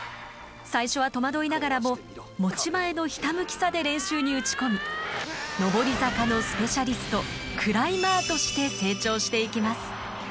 最初は戸惑いながらも持ち前のひたむきさで練習に打ち込み上り坂のスペシャリスト「クライマー」として成長していきます。